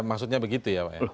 maksudnya begitu ya pak ya